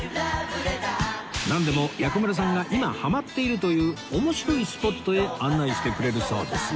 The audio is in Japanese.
なんでも薬丸さんが今ハマっているという面白いスポットへ案内してくれるそうですよ